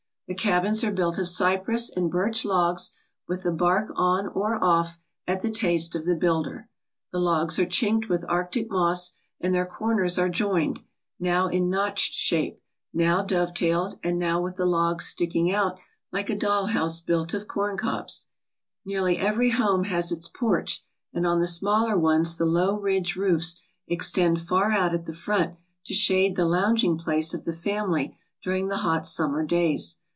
The cabins are built of cypress and birch logs, with the bark on or off at the taste of the builder. The logs are chinked with Arctic moss, and their corners are joined, now in notched shape, now dovetailed, and now with the logs sticking out like a doll house built of corn cobs. Nearly every home has its porch and on the smaller ones the low ridge roofs extend far out at the front to shade the lounging place of the family during the hot summer days.